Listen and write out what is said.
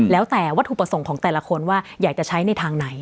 แล้วแต่วัตถุประสงค์ของแต่ละคนว่าอยากจะใช้ในทางไหน